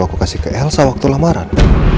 aku kasih ke elsa waktu lamaran